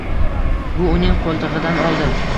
Bu uning qo‘ltig‘idan oldi.